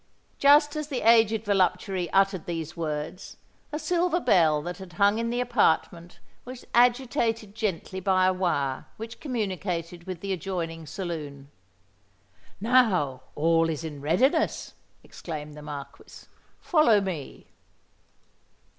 Just as the aged voluptuary uttered these words, a silver bell that hung in the apartment was agitated gently by a wire which communicated with the adjoining saloon. "Now all is in readiness!" exclaimed the Marquis: "follow me."